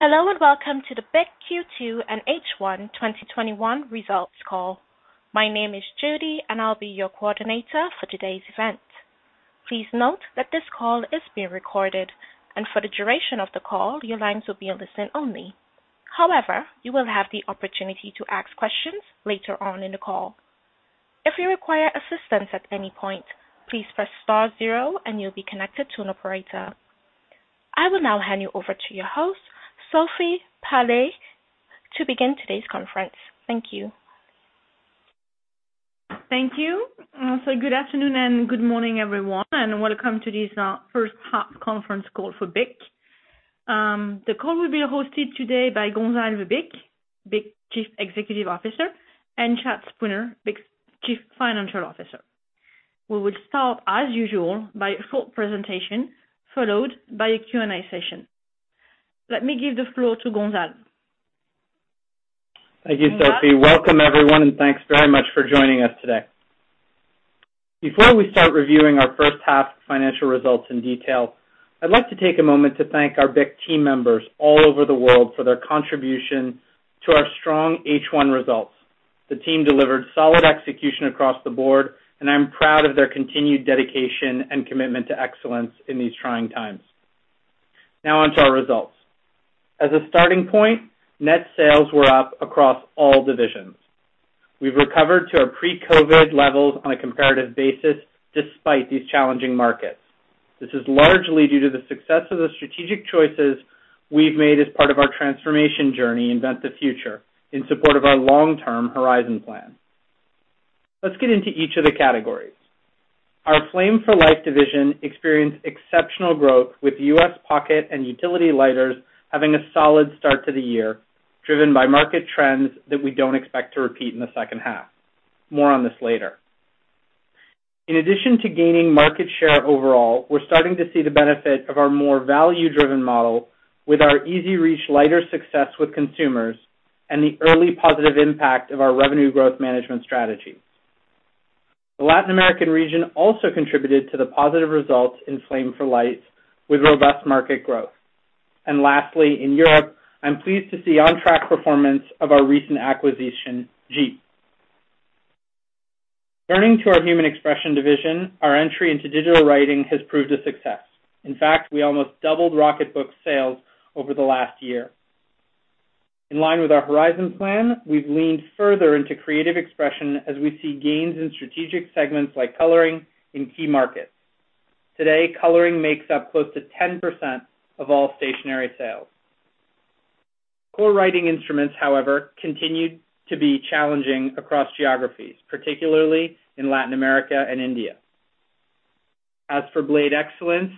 Hello, welcome to the BIC Q2 and H1 2021 Results Call. My name is Judy. I'll be your coordinator for today's event. Please note that this call is being recorded. For the duration of the call, your lines will be on listen only. However, you will have the opportunity to ask questions later on in the call. If you require assistance at any point, please press star zero. You'll be connected to an operator. I will now hand you over to your host, Sophie Palliez, to begin today's conference. Thank you. Thank you. Good afternoon and good morning, everyone, and welcome to this first half conference call for BIC. The call will be hosted today by Gonzalve Bich, BIC's Chief Executive Officer, and Chad Spooner, BIC's Chief Financial Officer. We will start, as usual, by a short presentation, followed by a Q&A session. Let me give the floor to Gonzalve. Thank you, Sophie. Welcome, everyone, and thanks very much for joining us today. Before we start reviewing our first half financial results in detail, I'd like to take a moment to thank our BIC team members all over the world for their contribution to our strong H1 results. The team delivered solid execution across the board. I'm proud of their continued dedication and commitment to excellence in these trying times. Now onto our results. As a starting point, net sales were up across all divisions. We've recovered to our pre-COVID levels on a comparative basis, despite these challenging markets. This is largely due to the success of the strategic choices we've made as part of our transformation journey, Invent the Future, in support of our long-term Horizon plan. Let's get into each of the categories. Our Flame for Life division experienced exceptional growth with U.S. pocket and utility lighters having a solid start to the year, driven by market trends that we don't expect to repeat in the second half. More on this later. In addition to gaining market share overall, we're starting to see the benefit of our more value-driven model with our EZ Reach lighter success with consumers and the early positive impact of our revenue growth management strategy. The Latin American region also contributed to the positive results in Flame for Life with robust market growth. Lastly, in Europe, I'm pleased to see on-track performance of our recent acquisition, Djeep. Turning to our Human Expression division, our entry into digital writing has proved a success. In fact, we almost doubled Rocketbook sales over the last year. In line with our Horizon plan, we've leaned further into creative expression as we see gains in strategic segments like coloring in key markets. Today, coloring makes up close to 10% of all stationery sales. Core writing instruments, however, continued to be challenging across geographies, particularly in Latin America and India. As for Blade Excellence,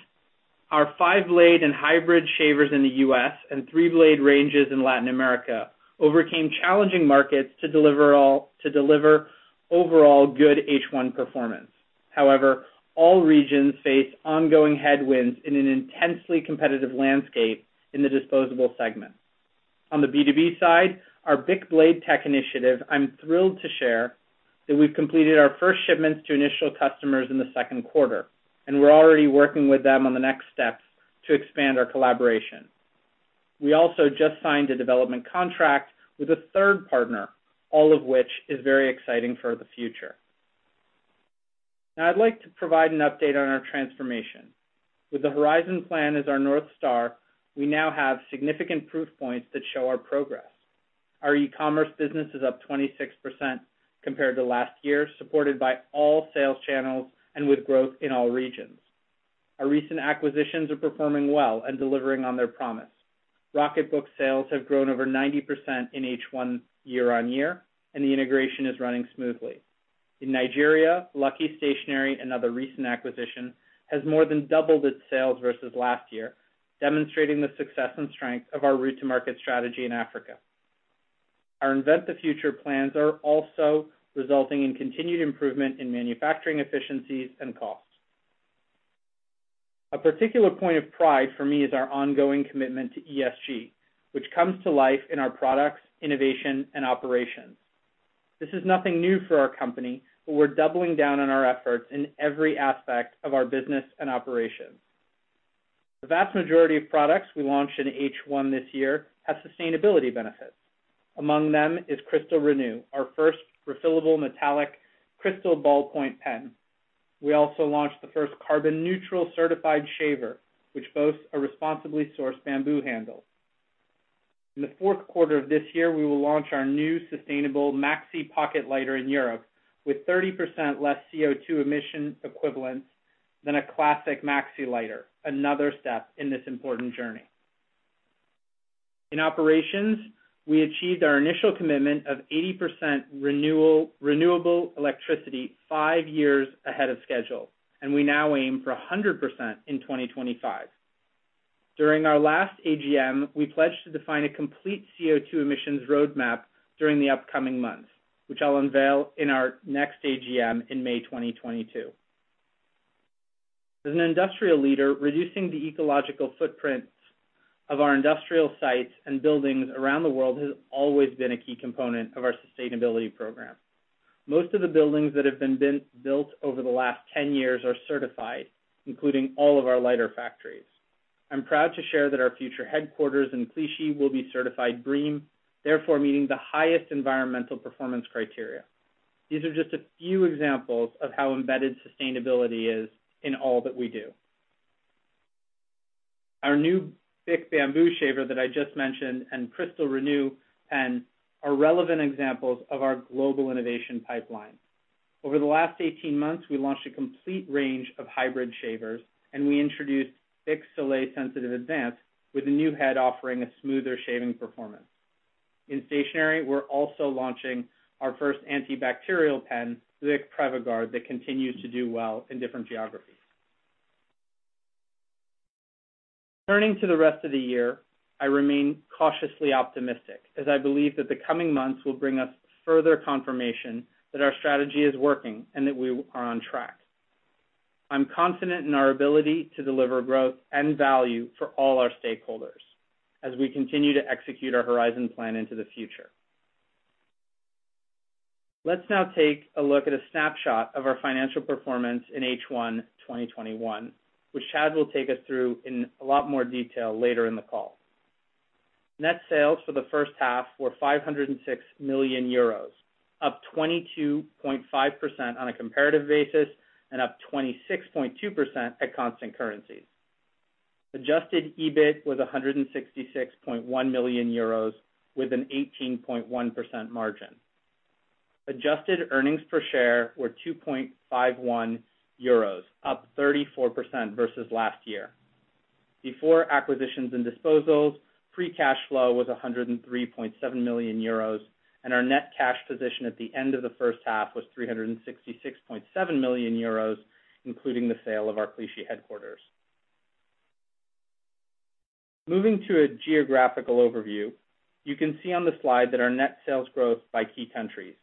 our five-blade and hybrid shavers in the U.S. and three-blade ranges in Latin America overcame challenging markets to deliver overall good H1 performance. However, all regions face ongoing headwinds in an intensely competitive landscape in the disposable segment. On the B2B side, our BIC Blade Tech initiative, I'm thrilled to share that we've completed our first shipments to initial customers in the second quarter, and we're already working with them on the next steps to expand our collaboration. We also just signed a development contract with a third partner, all of which is very exciting for the future. Now I'd like to provide an update on our transformation. With the Horizon plan as our North Star, we now have significant proof points that show our progress. Our e-commerce business is up 26% compared to last year, supported by all sales channels and with growth in all regions. Our recent acquisitions are performing well and delivering on their promise. Rocketbook sales have grown over 90% in H1 year-on-year, and the integration is running smoothly. In Nigeria, Lucky Stationery, another recent acquisition, has more than doubled its sales versus last year, demonstrating the success and strength of our route-to-market strategy in Africa. Our Invent the Future plans are also resulting in continued improvement in manufacturing efficiencies and costs. A particular point of pride for me is our ongoing commitment to ESG, which comes to life in our products, innovation, and operations. This is nothing new for our company, but we're doubling down on our efforts in every aspect of our business and operations. The vast majority of products we launched in H1 this year have sustainability benefits. Among them is Cristal ReNew, our first refillable metallic Cristal ballpoint pen. We also launched the first carbon neutral certified shaver, which boasts a responsibly sourced bamboo handle. In the fourth quarter of this year, we will launch our new sustainable Maxi pocket lighter in Europe with 30% less CO2 emission equivalent than a classic Maxi lighter, another step in this important journey. In operations, we achieved our initial commitment of 80% renewable electricity five years ahead of schedule, and we now aim for 100% in 2025. During our last AGM, we pledged to define a complete CO2 emissions roadmap during the upcoming months, which I'll unveil in our next AGM in May 2022. As an industrial leader, reducing the ecological footprints of our industrial sites and buildings around the world has always been a key component of our sustainability program. Most of the buildings that have been built over the last 10 years are certified, including all of our lighter factories. I'm proud to share that our future headquarters in Clichy will be certified BREEAM, therefore meeting the highest environmental performance criteria. These are just a few examples of how embedded sustainability is in all that we do. Our new BIC Bamboo shaver that I just mentioned, and Cristal ReNew pen are relevant examples of our global innovation pipeline. Over the last 18 months, we launched a complete range of hybrid shavers. We introduced BIC Soleil Sensitive Advanced, with a new head offering a smoother shaving performance. In stationery, we're also launching our first antibacterial pen, the BIC PrevaGuard, that continues to do well in different geographies. Turning to the rest of the year, I remain cautiously optimistic, as I believe that the coming months will bring us further confirmation that our strategy is working and that we are on track. I'm confident in our ability to deliver growth and value for all our stakeholders as we continue to execute our Horizon plan into the future. Let's now take a look at a snapshot of our financial performance in H1 2021, which Chad will take us through in a lot more detail later in the call. Net sales for the first half were 506 million euros, up 22.5% on a comparative basis, and up 26.2% at constant currencies. Adjusted EBIT was 166.1 million euros, with an 18.1% margin. Adjusted earnings per share were 2.51 euros, up 34% versus last year. Before acquisitions and disposals, free cash flow was 103.7 million euros, and our net cash position at the end of the first half was 366.7 million euros, including the sale of our Clichy headquarters. Moving to a geographical overview, you can see on the slide that our net sales growth by key countries.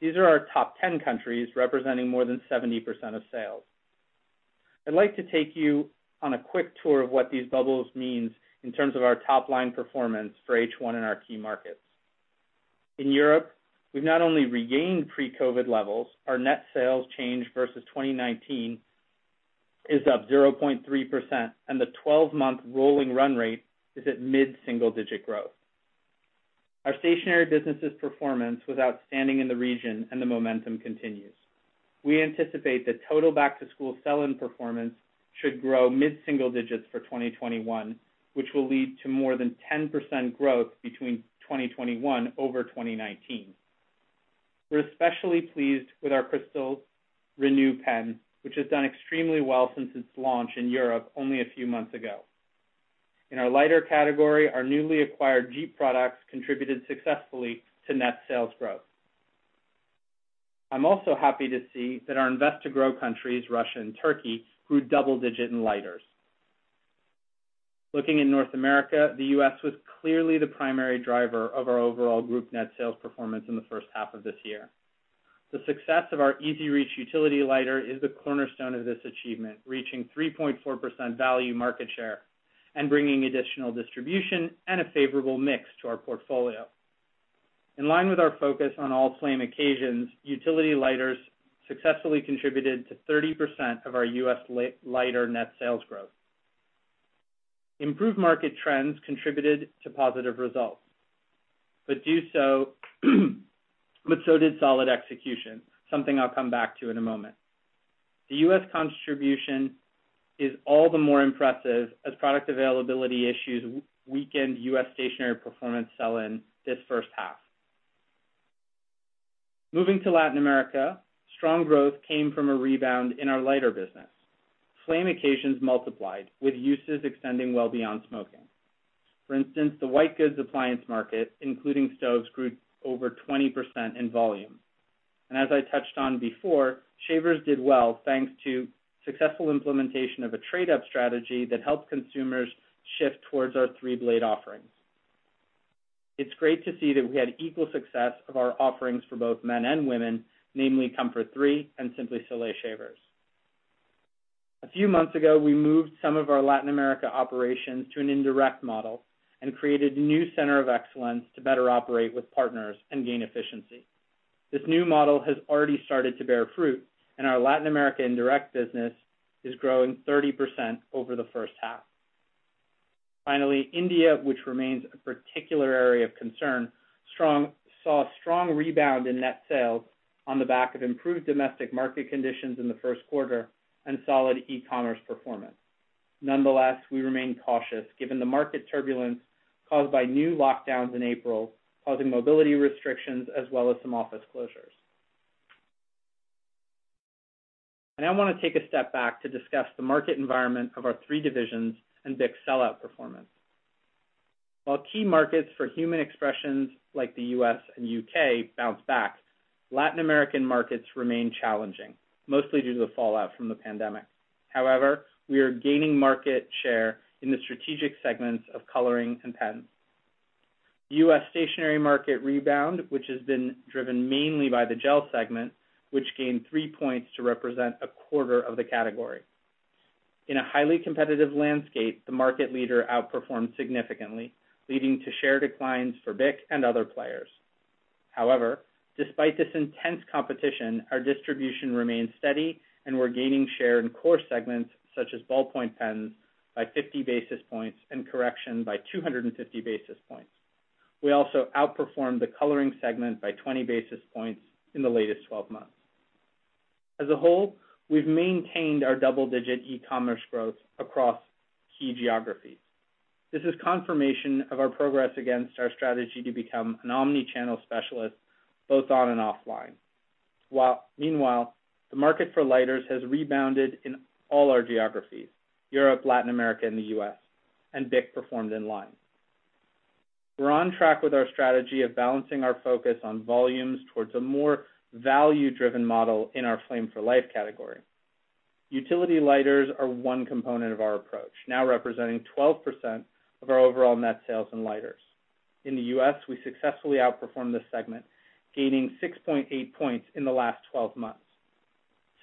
These are our top 10 countries, representing more than 70% of sales. I'd like to take you on a quick tour of what these bubbles mean in terms of our top-line performance for H1 in our key markets. In Europe, we've not only regained pre-COVID levels, our net sales change versus 2019 is up 0.3%, the 12-month rolling run rate is at mid-single-digit growth. Our stationery business's performance was outstanding in the region, the momentum continues. We anticipate that total back-to-school sell-in performance should grow mid-single digits for 2021, which will lead to more than 10% growth between 2021 over 2019. We're especially pleased with our Cristal ReNew pen, which has done extremely well since its launch in Europe only a few months ago. In our lighter category, our newly acquired Djeep products contributed successfully to net sales growth. I'm also happy to see that our invest-to-grow countries, Russia and Turkey, grew double-digit in lighters. Looking in North America, the U.S. was clearly the primary driver of our overall group net sales performance in the first half of this year. The success of our EZ Reach utility lighter is the cornerstone of this achievement, reaching 3.4% value market share and bringing additional distribution and a favorable mix to our portfolio. In line with our focus on all flame occasions, utility lighters successfully contributed to 30% of our U.S. lighter net sales growth. Improved market trends contributed to positive results, but so did solid execution, something I'll come back to in a moment. The U.S. contribution is all the more impressive as product availability issues weakened U.S. stationery performance sell-in this first half. Moving to Latin America, strong growth came from a rebound in our lighter business. Flame occasions multiplied, with uses extending well beyond smoking. For instance, the white goods appliance market, including stoves, grew over 20% in volume. As I touched on before, shavers did well thanks to successful implementation of a trade-up strategy that helped consumers shift towards our three-blade offerings. It's great to see that we had equal success of our offerings for both men and women, namely Comfort 3 and Simply Soleil shavers. A few months ago, we moved some of our Latin America operations to an indirect model and created a new center of excellence to better operate with partners and gain efficiency. This new model has already started to bear fruit, and our Latin America indirect business is growing 30% over the first half. Finally, India, which remains a particular area of concern, saw a strong rebound in net sales on the back of improved domestic market conditions in the 1st quarter and solid e-commerce performance. Nonetheless, we remain cautious given the market turbulence caused by new lockdowns in April, causing mobility restrictions as well as some office closures. I now want to take a step back to discuss the market environment of our three divisions and BIC's sell-out performance. While key markets for Human Expression, like the U.S. and U.K., bounce back, Latin American markets remain challenging, mostly due to the fallout from the pandemic. We are gaining market share in the strategic segments of coloring and pens. U.S. stationery market rebound, which has been driven mainly by the gel segment, which gained three points to represent a quarter of the category. In a highly competitive landscape, the market leader outperformed significantly, leading to share declines for BIC and other players. Despite this intense competition, our distribution remains steady, and we're gaining share in core segments such as ballpoint pens by 50 basis points and correction by 250 basis points. We also outperformed the coloring segment by 20 basis points in the latest 12 months. As a whole, we've maintained our double-digit e-commerce growth across key geographies. This is confirmation of our progress against our strategy to become an omni-channel specialist, both on and offline. Meanwhile, the market for lighters has rebounded in all our geographies, Europe, Latin America, and the U.S., and BIC performed in line. We're on track with our strategy of balancing our focus on volumes towards a more value-driven model in our Flame for Life category. Utility lighters are one component of our approach, now representing 12% of our overall net sales in lighters. In the U.S., we successfully outperformed this segment, gaining 6.8 points in the last 12 months.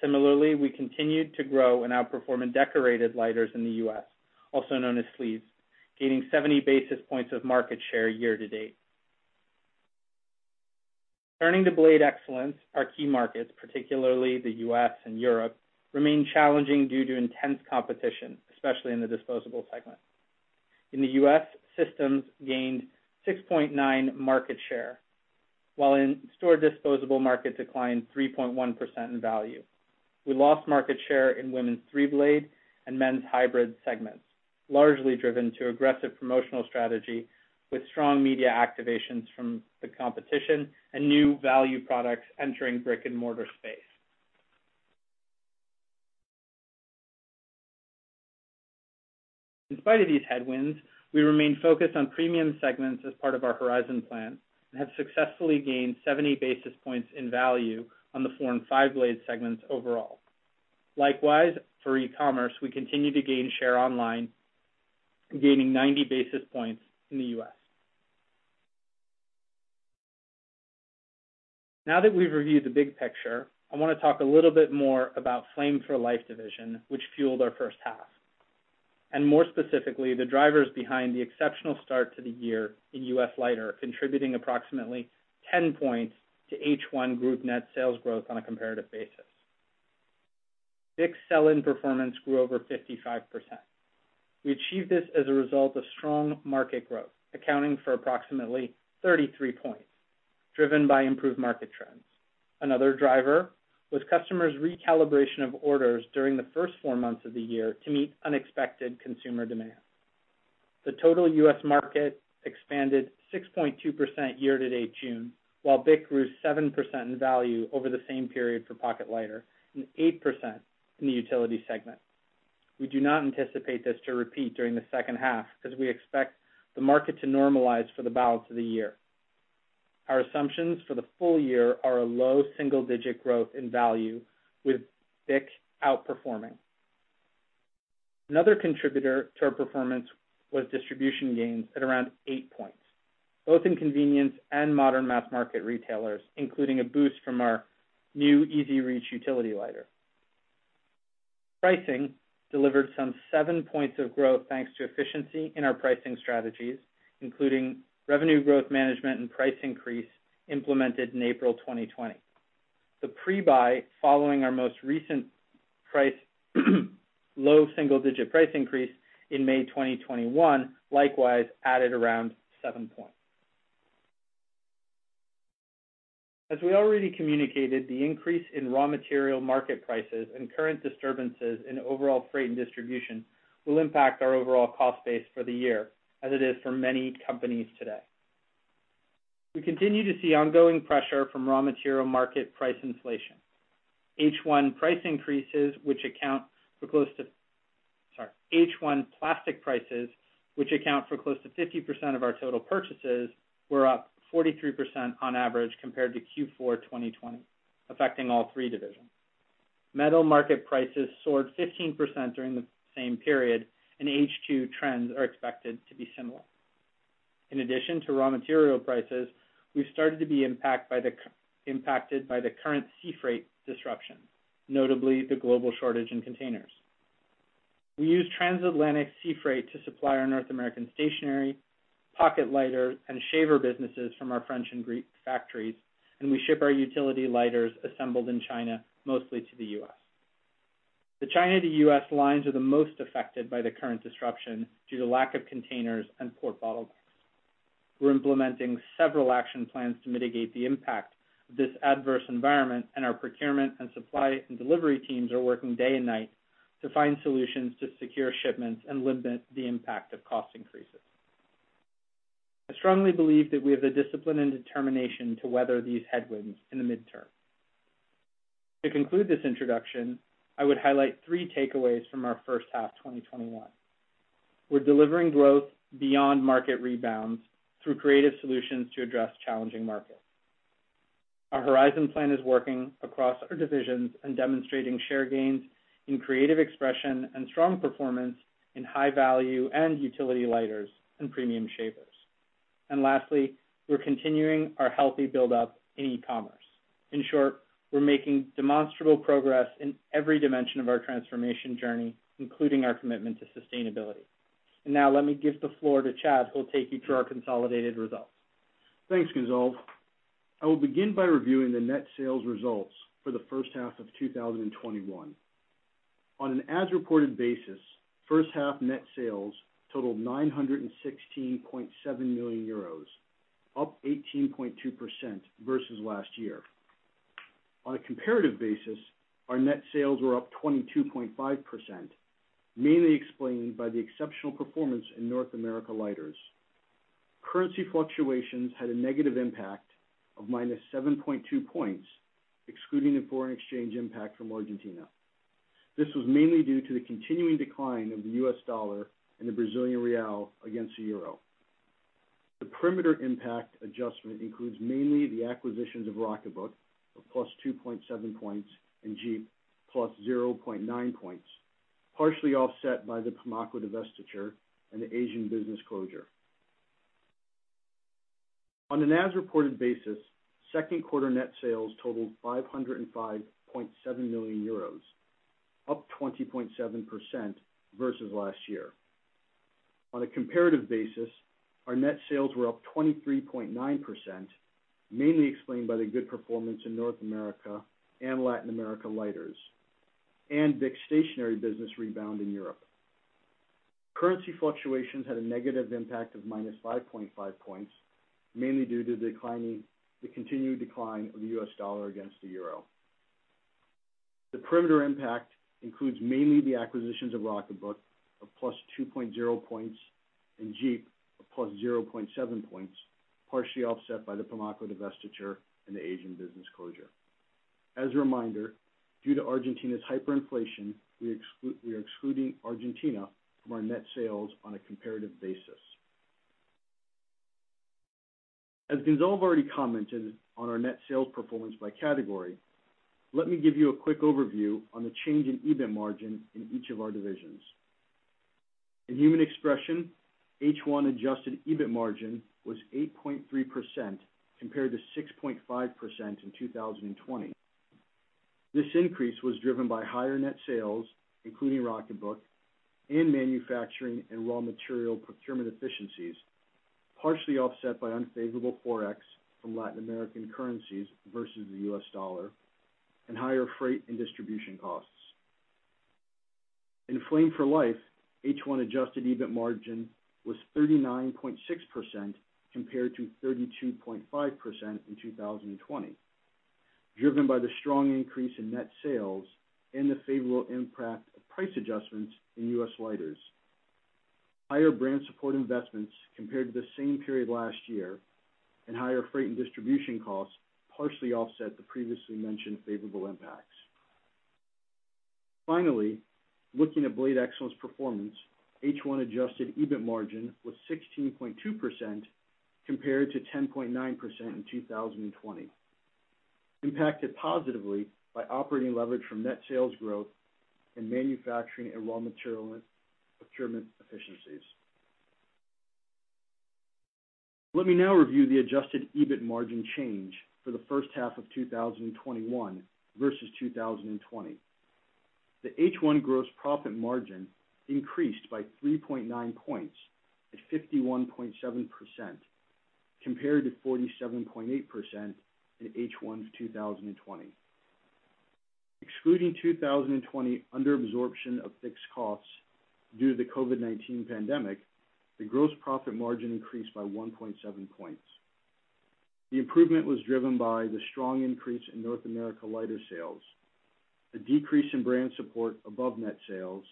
Similarly, we continued to grow and outperform in decorated lighters in the U.S., also known as sleeves, gaining 70 basis points of market share year to date. Turning to Blade Excellence, our key markets, particularly the U.S. and Europe, remain challenging due to intense competition, especially in the disposable segment. In the U.S., systems gained 6.9 market share, while in-store disposable market declined 3.1% in value. We lost market share in women's three-blade and men's hybrid segments, largely driven to aggressive promotional strategy with strong media activations from the competition and new value products entering brick-and-mortar space. In spite of these headwinds, we remain focused on premium segments as part of our Horizon plan and have successfully gained 70 basis points in value on the form five-blade segments overall. Likewise, for e-commerce, we continue to gain share online, gaining 90 basis points in the U.S. Now that we've reviewed the big picture, I want to talk a little bit more about Flame for Life, which fueled our first half. More specifically, the drivers behind the exceptional start to the year in U.S. lighter, contributing approximately 10 points to H1 group net sales growth on a comparative basis. BIC sell-in performance grew over 55%. We achieved this as a result of strong market growth, accounting for approximately 33 points, driven by improved market trends. Another driver was customers' recalibration of orders during the first four months of the year to meet unexpected consumer demand. The total U.S. market expanded 6.2% year to date June, while BIC grew 7% in value over the same period for pocket lighter and 8% in the utility segment. We do not anticipate this to repeat during the second half because we expect the market to normalize for the balance of the year. Our assumptions for the full year are a low single-digit growth in value, with BIC outperforming. Another contributor to our performance was distribution gains at around eight points, both in convenience and modern mass market retailers, including a boost from our new EZ Reach utility lighter. Pricing delivered some seven points of growth thanks to efficiency in our pricing strategies, including revenue growth management and price increase implemented in April 2020. The pre-buy following our most recent low single-digit price increase in May 2021, likewise added around seven points. As we already communicated, the increase in raw material market prices and current disturbances in overall freight and distribution will impact our overall cost base for the year as it is for many companies today. We continue to see ongoing pressure from raw material market price inflation. H1 plastic prices, which account for close to 50% of our total purchases, were up 43% on average compared to Q4 2020, affecting all three divisions. Metal market prices soared 15% during the same period, and H2 trends are expected to be similar. In addition to raw material prices, we've started to be impacted by the current sea freight disruption, notably the global shortage in containers. We use transatlantic sea freight to supply our North American stationary, pocket lighter, and shaver businesses from our French and Greek factories, and we ship our utility lighters assembled in China, mostly to the U.S. The China to U.S. lines are the most affected by the current disruption due to lack of containers and port bottlenecks. We're implementing several action plans to mitigate the impact of this adverse environment. Our procurement and supply and delivery teams are working day and night to find solutions to secure shipments and limit the impact of cost increases. I strongly believe that we have the discipline and determination to weather these headwinds in the midterm. To conclude this introduction, I would highlight three takeaways from our first half 2021. We're delivering growth beyond market rebounds through creative solutions to address challenging markets. Our Horizon plan is working across our divisions and demonstrating share gains in Human Expression and strong performance in high-value and utility lighters and premium shavers. Lastly, we're continuing our healthy buildup in e-commerce. In short, we're making demonstrable progress in every dimension of our transformation journey, including our commitment to sustainability. Now let me give the floor to Chad, who will take you through our consolidated results. Thanks, Gonzalve. I will begin by reviewing the net sales results for the first half of 2021. On an as-reported basis, first half net sales totaled 916.7 million euros, up 18.2% versus last year. On a comparative basis, our net sales were up 22.5%, mainly explained by the exceptional performance in North America Lighters. Currency fluctuations had a negative impact of -7.2 points, excluding the foreign exchange impact from Argentina. This was mainly due to the continuing decline of the U.S. dollar and the Brazilian real against the euro. The perimeter impact adjustment includes mainly the acquisitions of Rocketbook of +2.7 points and Djeep +0.9 points, partially offset by the PIMACO divestiture and the Asian business closure. On an as-reported basis, second quarter net sales totaled 505.7 million euros, up 20.7% versus last year. On a comparative basis, our net sales were up 23.9%, mainly explained by the good performance in North America and Latin America Lighters, and BIC Stationery business rebound in Europe. Currency fluctuations had a negative impact of -5.5 points, mainly due to the continued decline of the U.S. dollar against the euro. The perimeter impact includes mainly the acquisitions of Rocketbook of +2.0 points and Djeep of +0.7 points, partially offset by the PIMACO divestiture and the Asian business closure. As a reminder, due to Argentina's hyperinflation, we are excluding Argentina from our net sales on a comparative basis. As Gonzalve already commented on our net sales performance by category, let me give you a quick overview on the change in EBIT margin in each of our divisions. In Human Expression, H1 adjusted EBIT margin was 8.3% compared to 6.5% in 2020. This increase was driven by higher net sales, including Rocketbook, and manufacturing and raw material procurement efficiencies, partially offset by unfavorable ForEx from Latin American currencies versus the US dollar, and higher freight and distribution costs. In Flame for Life, H1 adjusted EBIT margin was 39.6% compared to 32.5% in 2020, driven by the strong increase in net sales and the favorable impact of price adjustments in U.S. Lighters. Higher brand support investments compared to the same period last year and higher freight and distribution costs partially offset the previously mentioned favorable impacts. Looking at Blade Excellence performance, H1 adjusted EBIT margin was 16.2% compared to 10.9% in 2020, impacted positively by operating leverage from net sales growth and manufacturing and raw material procurement efficiencies. Let me now review the adjusted EBIT margin change for the first half of 2021 versus 2020. The H1 gross profit margin increased by 3.9 points at 51.7% compared to 47.8% in H1 of 2020. Excluding 2020 under absorption of fixed costs due to the COVID-19 pandemic, the gross profit margin increased by 1.7 points. The improvement was driven by the strong increase in North America Lighter sales, the decrease in brand support above net sales,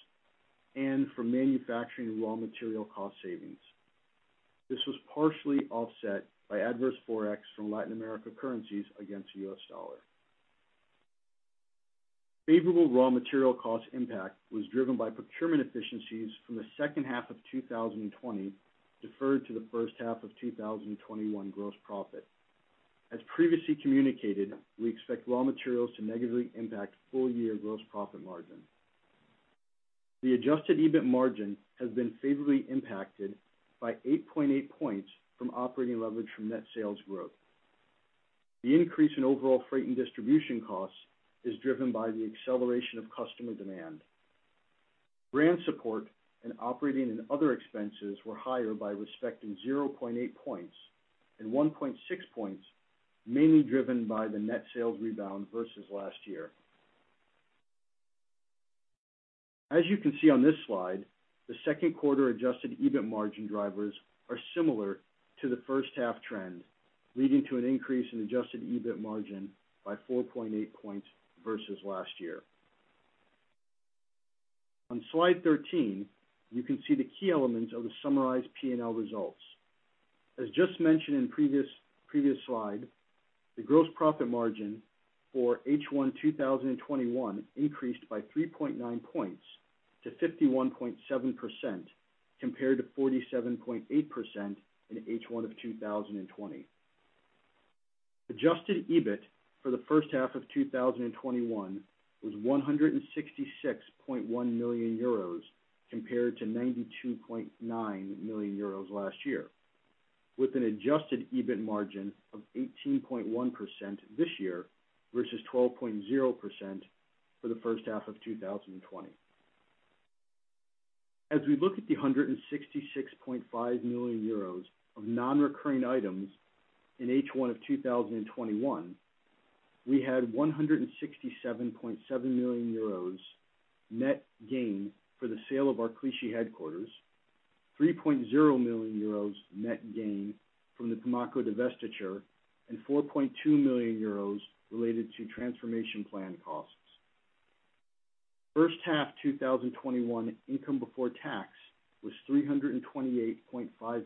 and from manufacturing raw material cost savings. This was partially offset by adverse Forex from Latin America currencies against the U.S. dollar. Favorable raw material cost impact was driven by procurement efficiencies from the second half of 2020 deferred to the first half of 2021 gross profit. As previously communicated, we expect raw materials to negatively impact full-year gross profit margin. The adjusted EBIT margin has been favorably impacted by 8.8 points from operating leverage from net sales growth. The increase in overall freight and distribution costs is driven by the acceleration of customer demand. Brand support and operating and other expenses were higher by respectively 0.8 points and 1.6 points, mainly driven by the net sales rebound versus last year. As you can see on this slide, the second quarter adjusted EBIT margin drivers are similar to the first half trend, leading to an increase in adjusted EBIT margin by 4.8 points versus last year. On slide 13, you can see the key elements of the summarized P&L results. As just mentioned in previous slide, the gross profit margin for H1 2021 increased by 3.9 points to 51.7% compared to 47.8% in H1 of 2020. Adjusted EBIT for the first half of 2021 was 166.1 million euros compared to 92.9 million euros last year, with an adjusted EBIT margin of 18.1% this year versus 12.0% for the first half of 2020. As we look at the 166.5 million euros of non-recurring items in H1 of 2021, we had 167.7 million euros net gain for the sale of our Clichy headquarters, 3.0 million euros net gain from the PIMACO divestiture, and 4.2 million euros related to transformation plan costs. First half 2021 income before tax was 328.5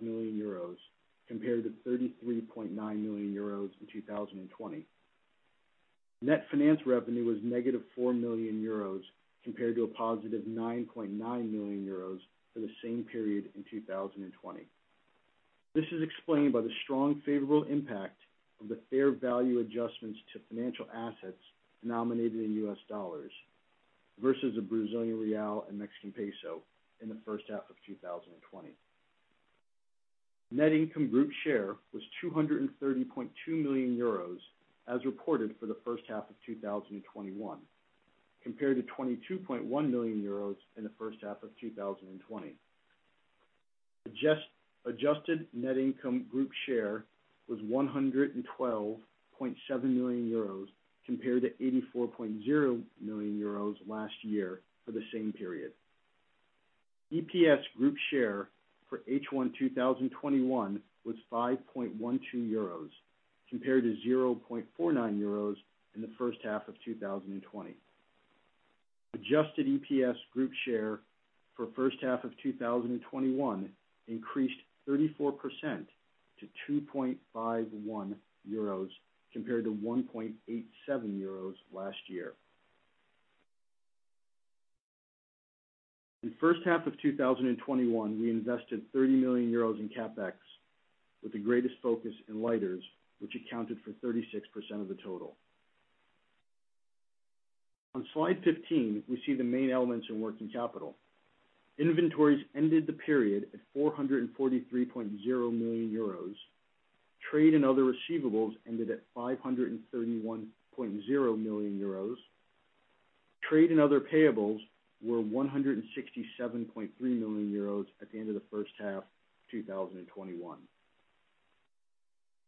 million euros compared to 33.9 million euros in 2020. Net finance revenue was -4 million euros compared to a +9.9 million euros for the same period in 2020. This is explained by the strong favorable impact of the fair value adjustments to financial assets denominated in U.S. dollars versus the Brazilian real and Mexican peso in the first half of 2020. Net income group share was 230.2 million euros as reported for the first half of 2021, compared to 22.1 million euros in the first half of 2020. Adjusted net income group share was 112.7 million euros compared to 84.0 million euros last year for the same period. EPS group share for H1 2021 was 5.12 euros compared to 0.49 euros in the first half of 2020. Adjusted EPS group share for first half of 2021 increased 34% to 2.51 euros compared to 1.87 euros last year. In first half of 2021, we invested 30 million euros in CapEx, with the greatest focus in lighters, which accounted for 36% of the total. On slide 15, we see the main elements in working capital. Inventories ended the period at 443.0 million euros. Trade and other receivables ended at 531.0 million euros. Trade and other payables were 167.3 million euros at the end of the first half 2021.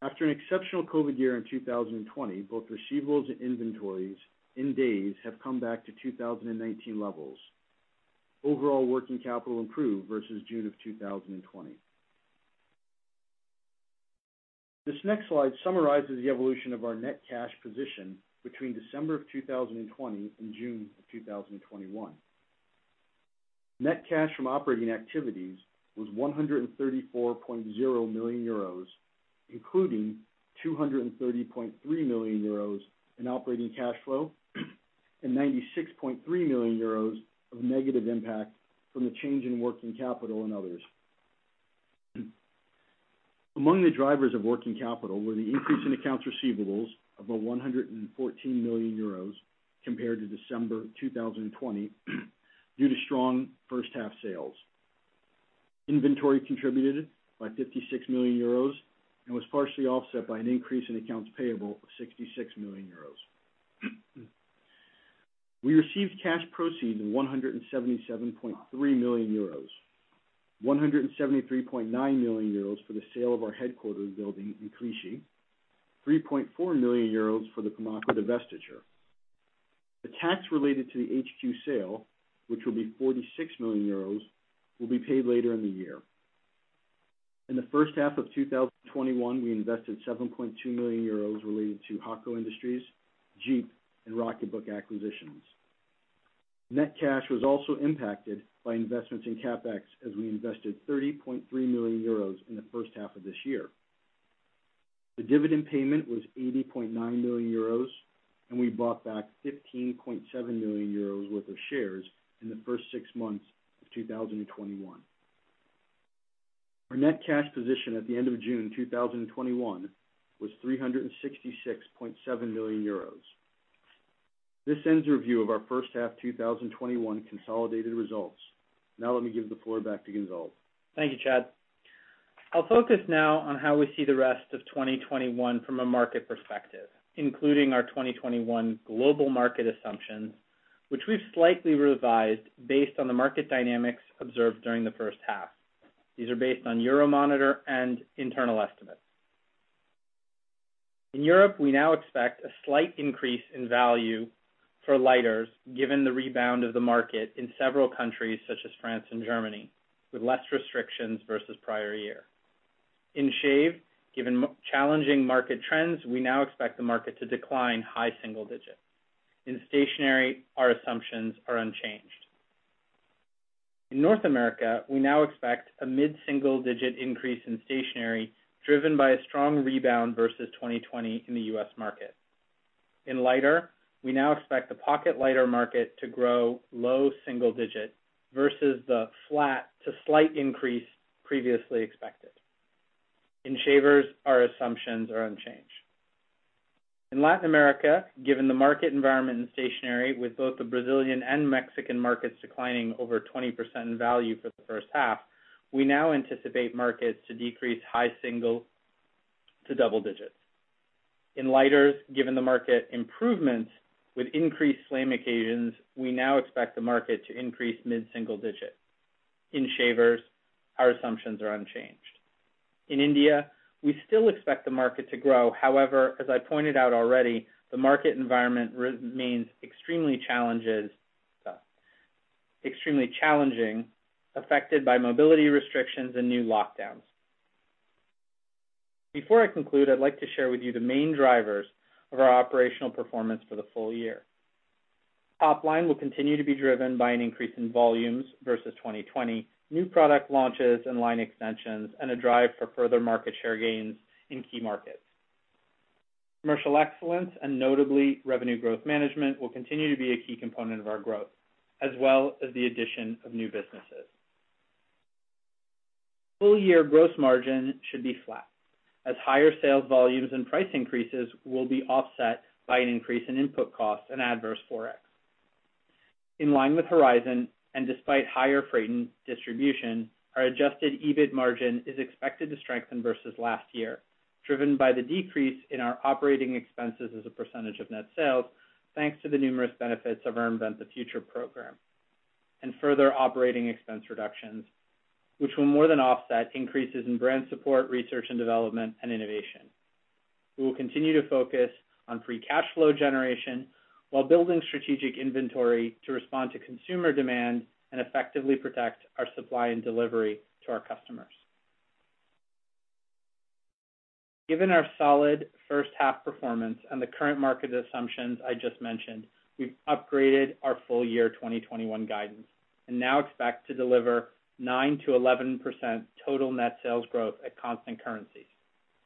After an exceptional COVID year in 2020, both receivables and inventories in days have come back to 2019 levels. Overall working capital improved versus June of 2020. This next slide summarizes the evolution of our net cash position between December 2020 and June 2021. Net cash from operating activities was 134.0 million euros, including 230.3 million euros in operating cash flow and 96.3 million euros of negative impact from the change in working capital and others. Among the drivers of working capital were the increase in accounts receivables of 114 million euros compared to December 2020 due to strong first half sales. Inventory contributed by 56 million euros and was partially offset by an increase in accounts payable of 66 million euros. We received cash proceeds of 177.3 million euros. 173.9 million euros for the sale of our headquarters building in Clichy, 3.4 million euros for the PIMACO divestiture. The tax related to the HQ sale, which will be 46 million euros, will be paid later in the year. In the first half of 2021, we invested 7.2 million euros related to Haco Industries, Djeep, and Rocketbook acquisitions. Net cash was also impacted by investments in CapEx as we invested 30.3 million euros in the first half of this year. The dividend payment was 80.9 million euros, and we bought back 15.7 million euros worth of shares in the first six months of 2021. Our net cash position at the end of June 2021 was 366.7 million euros. This ends the review of our first half 2021 consolidated results. Now let me give the floor back to Gonzalve. Thank you, Chad. I'll focus now on how we see the rest of 2021 from a market perspective, including our 2021 global market assumptions, which we've slightly revised based on the market dynamics observed during the first half. These are based on Euromonitor and internal estimates. In Europe, we now expect a slight increase in value for lighters given the rebound of the market in several countries such as France and Germany, with less restrictions versus prior year. In shave, given challenging market trends, we now expect the market to decline high single digits. In stationery, our assumptions are unchanged. In North America, we now expect a mid-single digit increase in stationery driven by a strong rebound versus 2020 in the U.S. market. In lighter, we now expect the pocket lighter market to grow low single digits versus the flat to slight increase previously expected. In shavers, our assumptions are unchanged. In Latin America, given the market environment in stationery, with both the Brazilian and Mexican markets declining over 20% in value for the first half, we now anticipate markets to decrease high single to double digits. In lighters, given the market improvements with increased flame occasions, we now expect the market to increase mid-single digits. In shavers, our assumptions are unchanged. In India, we still expect the market to grow. However, as I pointed out already, the market environment remains extremely challenging, affected by mobility restrictions and new lockdowns. Before I conclude, I'd like to share with you the main drivers of our operational performance for the full year. Topline will continue to be driven by an increase in volumes versus 2020, new product launches and line extensions, and a drive for further market share gains in key markets. Commercial excellence, notably, revenue growth management will continue to be a key component of our growth, as well as the addition of new businesses. Full-year gross margin should be flat, as higher sales volumes and price increases will be offset by an increase in input costs and adverse Forex. In line with Horizon, despite higher freight and distribution, our adjusted EBIT margin is expected to strengthen versus last year, driven by the decrease in our operating expenses as a percentage of net sales, thanks to the numerous benefits of our Invent the Future program, and further operating expense reductions, which will more than offset increases in brand support, research and development, and innovation. We will continue to focus on free cash flow generation while building strategic inventory to respond to consumer demand and effectively protect our supply and delivery to our customers. Given our solid first-half performance and the current market assumptions I just mentioned, we've upgraded our full-year 2021 guidance and now expect to deliver 9%-11% total net sales growth at constant currencies,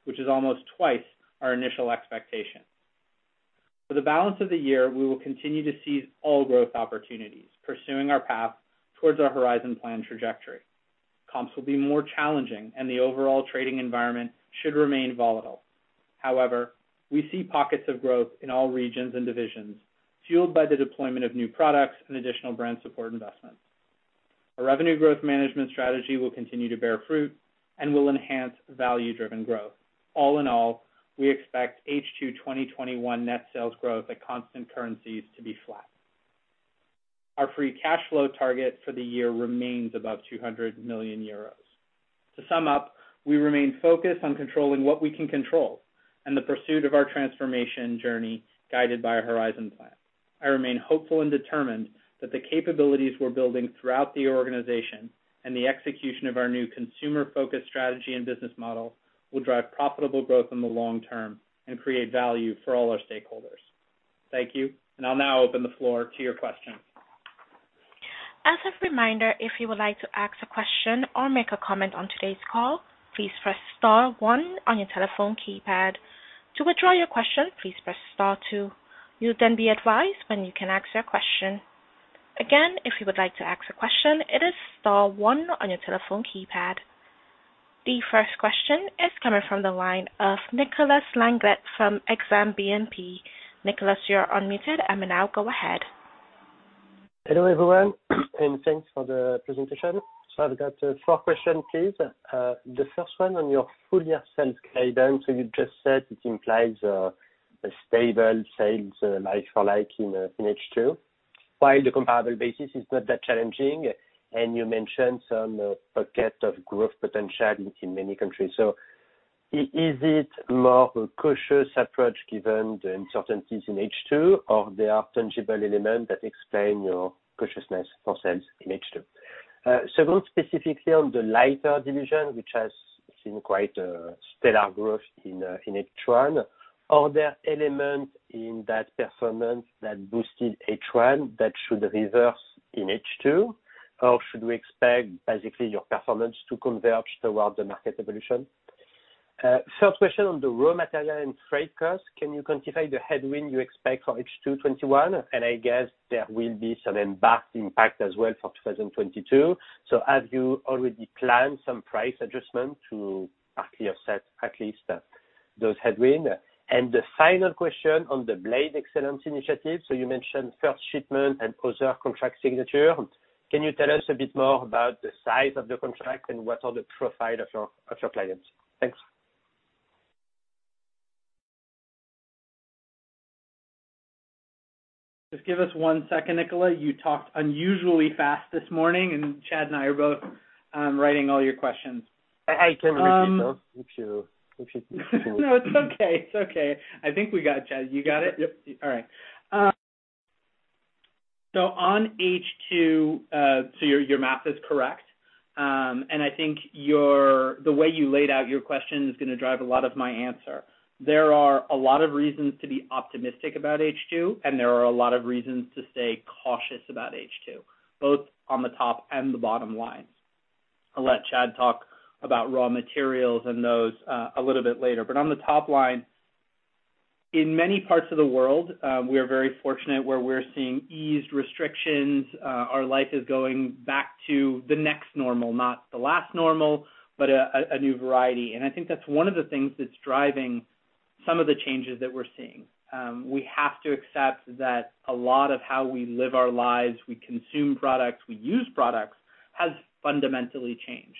which is almost twice our initial expectation. For the balance of the year, we will continue to seize all growth opportunities, pursuing our path towards our Horizon plan trajectory. Comps will be more challenging, and the overall trading environment should remain volatile. However, we see pockets of growth in all regions and divisions, fueled by the deployment of new products and additional brand support investments. Our revenue growth management strategy will continue to bear fruit and will enhance value-driven growth. All in all, we expect H2 2021 net sales growth at constant currencies to be flat. Our free cash flow target for the year remains above 200 million euros. To sum up, we remain focused on controlling what we can control and the pursuit of our transformation journey, guided by our Horizon plan. I remain hopeful and determined that the capabilities we're building throughout the organization and the execution of our new consumer-focused strategy and business model will drive profitable growth in the long term and create value for all our stakeholders. Thank you. I'll now open the floor to your questions. As a reminder, if you would like to ask a question or make a comment on today's call, please press star one on your telephone keypad. To withdraw your question, please press star two. You'll then be advised when you can ask your question. Again, if you would like to ask a question, it is star one on your telephone keypad. The first question is coming from the line of Nicolas Langlet from Exane BNP. Nicolas, you are unmuted, and now go ahead. Hello, everyone. Thanks for the presentation. I've got four questions, please. The first one on your full-year sales guidance. You just said it implies a stable sales like-for-like in H2, while the comparable basis is not that challenging, and you mentioned some pockets of growth potential in many countries. Is it more a cautious approach given the uncertainties in H2, or there are tangible elements that explain your cautiousness for sales in H2? Second, specifically on the Flame for Life division, which has seen quite a stellar growth in H1, are there elements in that performance that boosted H1 that should reverse in H2, or should we expect basically your performance to converge towards the market evolution? Third question on the raw material and freight cost. Can you quantify the headwind you expect for H2 2021? I guess there will be some impact as well for 2022. Have you already planned some price adjustment to partly offset at least those headwind? The final question on the Blade Excellence initiative. You mentioned first shipment and other contract signature. Can you tell us a bit more about the size of the contract and what are the profile of your clients? Thanks. Just give us one second, Nicolas. You talked unusually fast this morning, and Chad and I are both writing all your questions. I can repeat though, if you think. No, it's okay. I think we got it. Chad, you got it? Yep. All right. On H2, your math is correct. I think the way you laid out your question is going to drive a lot of my answer. There are a lot of reasons to be optimistic about H2, and there are a lot of reasons to stay cautious about H2, both on the top and the bottom lines. I'll let Chad talk about raw materials and those a little bit later. On the top line, in many parts of the world, we are very fortunate where we're seeing eased restrictions. Our life is going back to the next normal, not the last normal, but a new variety. I think that's one of the things that's driving some of the changes that we're seeing. We have to accept that a lot of how we live our lives, we consume products, we use products, has fundamentally changed.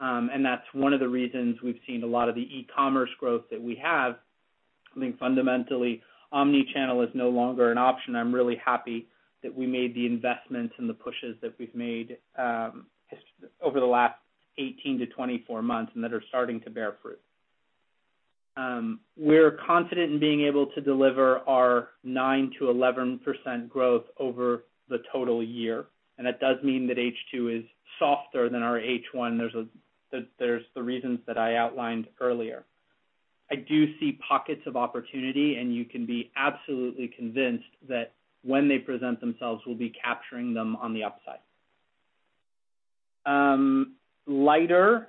That's one of the reasons we've seen a lot of the e-commerce growth that we have. I think fundamentally, omni-channel is no longer an option. I'm really happy that we made the investments and the pushes that we've made over the last 18-24 months and that are starting to bear fruit. We're confident in being able to deliver our 9%-11% growth over the total year. That does mean that H2 is softer than our H1. There's the reasons that I outlined earlier. I do see pockets of opportunity. You can be absolutely convinced that when they present themselves, we'll be capturing them on the upside. Lighter,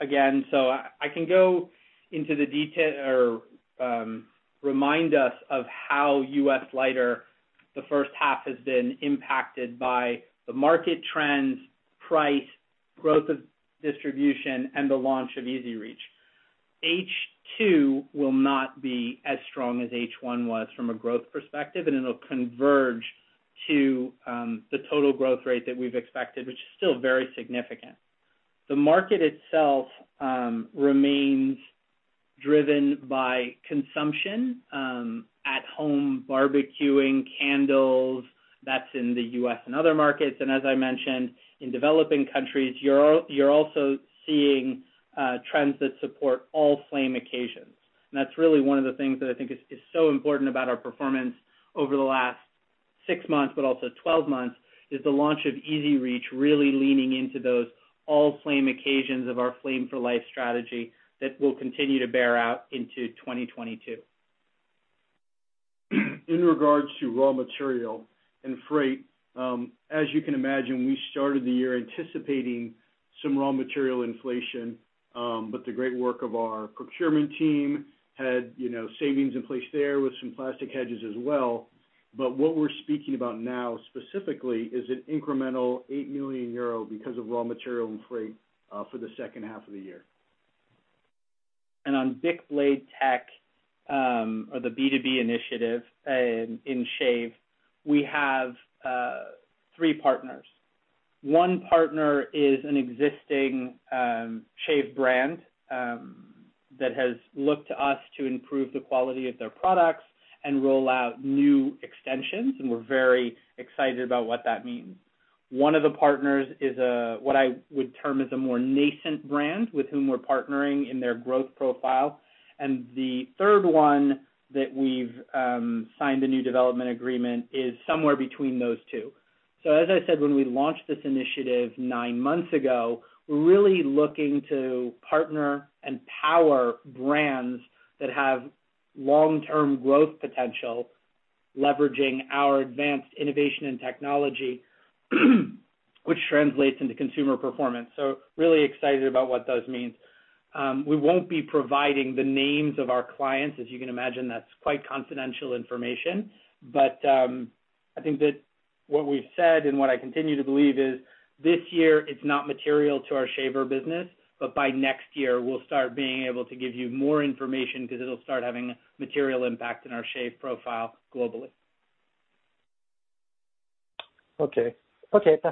again, I can go into the detail or remind us of how U.S. Lighter the first half has been impacted by the market trends, price, growth of distribution, and the launch of EZ Reach. H2 will not be as strong as H1 was from a growth perspective, it'll converge to the total growth rate that we've expected, which is still very significant. The market itself remains driven by consumption, at home barbecuing, candles, that's in the U.S. and other markets. As I mentioned, in developing countries, you're also seeing trends that support all flame occasions. That's really one of the things that I think is so important about our performance over the last six months, but also 12 months, is the launch of EZ Reach really leaning into those all flame occasions of our Flame for Life strategy that will continue to bear out into 2022. In regards to raw material and freight, as you can imagine, we started the year anticipating some raw material inflation. The great work of our procurement team had savings in place there with some plastic hedges as well. What we're speaking about now specifically is an incremental 8 million euro because of raw material and freight for the second half of the year. On BIC Blade Tech, or the B2B initiative in shave, we have three partners. One partner is an existing shave brand that has looked to us to improve the quality of their products and roll out new extensions, and we're very excited about what that means. One of the partners is what I would term as a more nascent brand with whom we're partnering in their growth profile. The third one that we've signed a new development agreement is somewhere between those two. As I said when we launched this initiative nine months ago, we're really looking to partner and power brands that have long-term growth potential, leveraging our advanced innovation and technology, which translates into consumer performance. Really excited about what those mean. We won't be providing the names of our clients. As you can imagine, that's quite confidential information. I think that what we've said and what I continue to believe is this year, it's not material to our shaver business, but by next year, we'll start being able to give you more information because it'll start having a material impact in our shave profile globally. Okay. Perfect.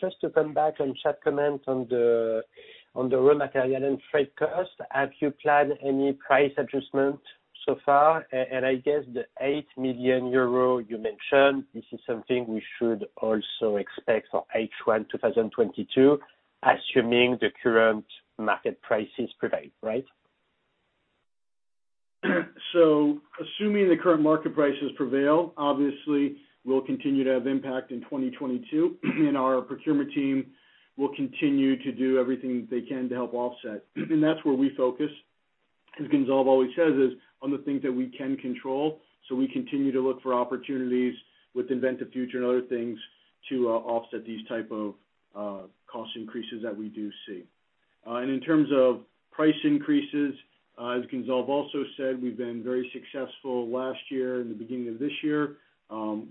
Just to come back on Chad comment on the raw material and freight cost. Have you planned any price adjustment so far? I guess the 8 million euro you mentioned, this is something we should also expect for H1 2022, assuming the current market prices prevail, right? Assuming the current market prices prevail, obviously we'll continue to have impact in 2022. Our procurement team will continue to do everything they can to help offset. That's where we focus, as Gonzalve always says, is on the things that we can control. We continue to look for opportunities with Invent the Future and other things to offset these type of cost increases that we do see. In terms of price increases, as Gonzalve also said, we've been very successful last year and the beginning of this year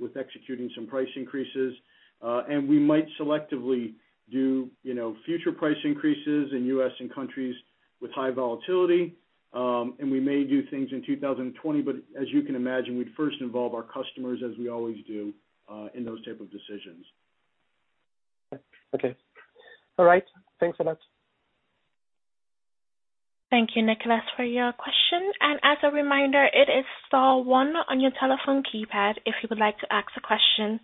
with executing some price increases. We might selectively do future price increases in U.S. and countries with high volatility. We may do things in 2020, but as you can imagine, we'd first involve our customers, as we always do, in those type of decisions. Okay. All right. Thanks a lot. Thank you, Nicolas, for your question. As a reminder, it is star one on your telephone keypad if you would like to ask a question.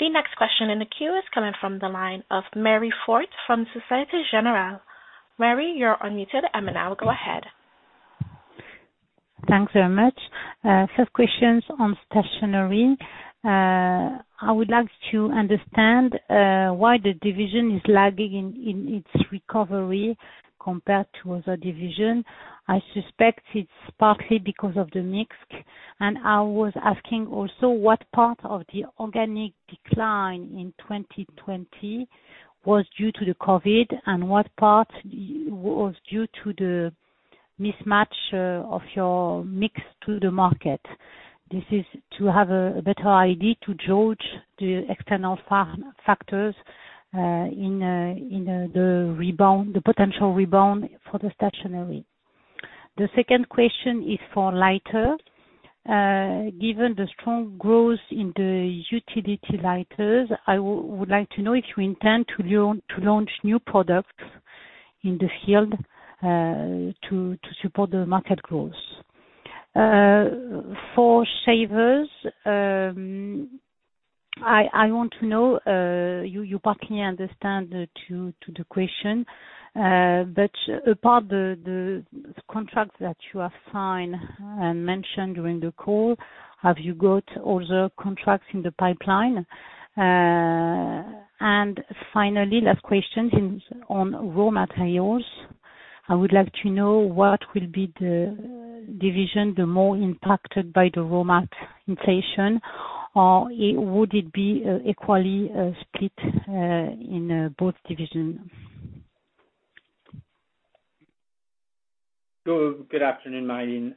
The next question in the queue is coming from the line of Marie Fort from Societe Generale. Marie, you're unmuted. Now go ahead. Thanks very much. First question is on Stationery. I would like to understand why the division is lagging in its recovery compared to other division? I suspect it's partly because of the mix. I was asking also what part of the organic decline in 2020 was due to the COVID and what part was due to the mismatch of your mix to the market? This is to have a better idea to gauge the external factors in the potential rebound for the stationery. The second question is for lighter. Given the strong growth in the utility lighters, I would like to know if you intend to launch new products in the field to support the market growth. For shavers, I want to know, you partly understand to the question, apart the contracts that you have signed and mentioned during the call, have you got other contracts in the pipeline? Finally, last question, on raw materials. I would like to know what will be the division the more impacted by the raw material inflation, or would it be equally split in both divisions? Good afternoon, Marie.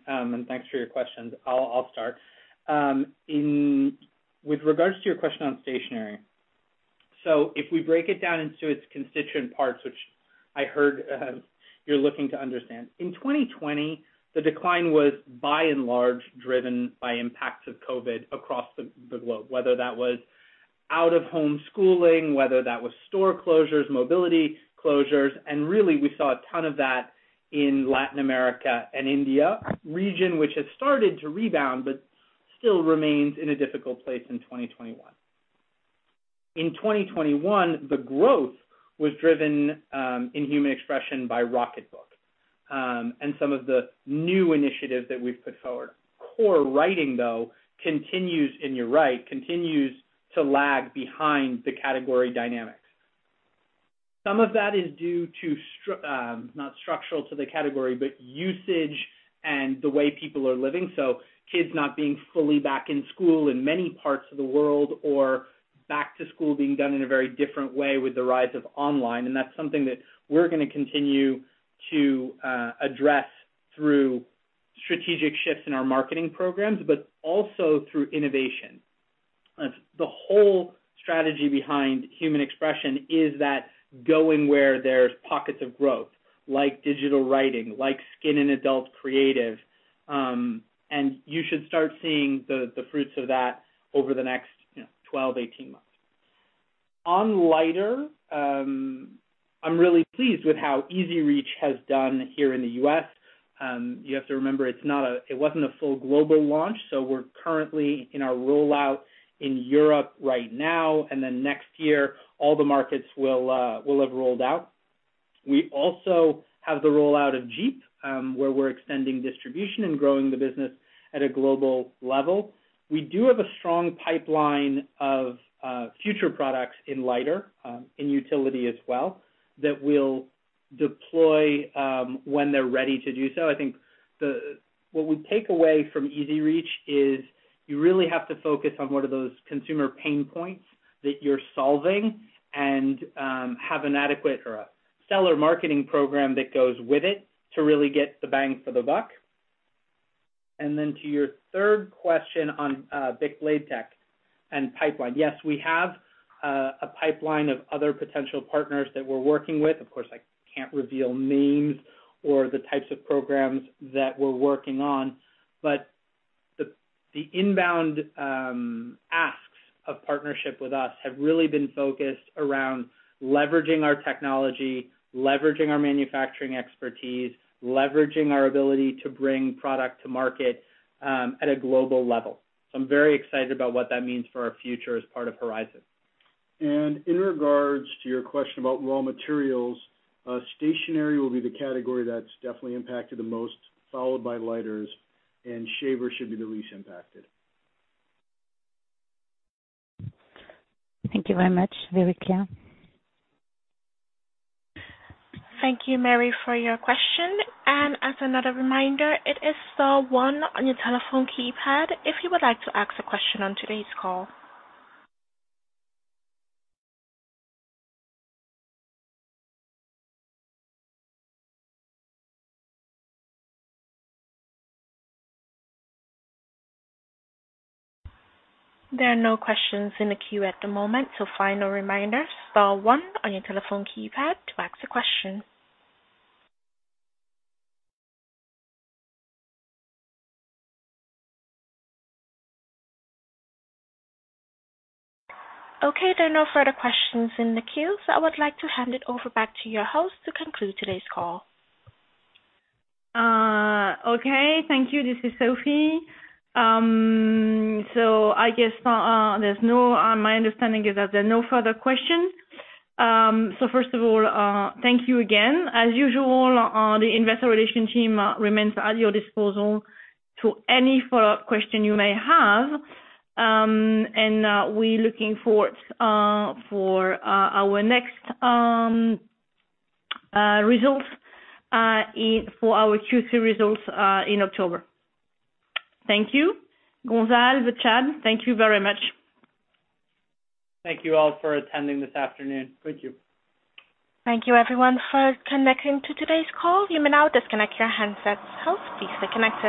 Thanks for your questions. I'll start. With regards to your question on stationery. If we break it down into its constituent parts, which I heard you're looking to understand. In 2020, the decline was by and large driven by impacts of COVID across the globe, whether that was out-of-home schooling, whether that was store closures, mobility closures, and really, we saw a ton of that in Latin America and India, region which has started to rebound but still remains in a difficult place in 2021. In 2021, the growth was driven in Human Expression by Rocketbook. Some of the new initiatives that we've put forward. Core writing, though, continues, and you're right, continues to lag behind the category dynamics. Some of that is due to, not structural to the category, but usage and the way people are living. Kids not being fully back in school in many parts of the world or back to school being done in a very different way with the rise of online, and that's something that we're going to continue to address through strategic shifts in our marketing programs, but also through innovation. The whole strategy behind Human Expression is that going where there's pockets of growth, like digital writing, like skin and adult creative. You should start seeing the fruits of that over the next 12, 18 months. On lighter, I'm really pleased with how EZ Reach has done here in the U.S. You have to remember, it wasn't a full global launch. We're currently in our rollout in Europe right now. Next year, all the markets will have rolled out. We also have the rollout of Djeep, where we're extending distribution and growing the business at a global level. We do have a strong pipeline of future products in lighter, in utility as well, that we'll deploy when they're ready to do so. I think what we take away from EZ Reach is you really have to focus on what are those consumer pain points that you're solving and have an adequate or a seller marketing program that goes with it to really get the bang for the buck. To your third question on BIC Blade Tech and pipeline. Yes, we have a pipeline of other potential partners that we're working with. Of course, I can't reveal names or the types of programs that we're working on. The inbound asks of partnership with us have really been focused around leveraging our technology, leveraging our manufacturing expertise, leveraging our ability to bring product to market at a global level. I'm very excited about what that means for our future as part of Horizon. In regards to your question about raw materials, stationery will be the category that's definitely impacted the most, followed by lighters, and shavers should be the least impacted. Thank you very much. Very clear. Thank you, Marie, for your question. As another reminder, it is star one on your telephone keypad if you would like to ask a question on today's call. There are no questions in the queue at the moment, final reminder, star one on your telephone keypad to ask a question. Okay, there are no further questions in the queue, I would like to hand it over back to your host to conclude today's call. Okay. Thank you. This is Sophie. I guess my understanding is that there are no further questions. First of all, thank you again. As usual, the investor relation team remains at your disposal to any follow-up question you may have. We're looking forward for our next results, for our Q2 results in October. Thank you. Gonzalve, Chad, thank you very much. Thank you all for attending this afternoon. Thank you. Thank you, everyone, for connecting to today's call. You may now disconnect your handsets. Have a peaceful connection.